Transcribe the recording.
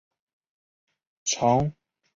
长喙毛茛泽泻为泽泻科毛茛泽泻属的植物。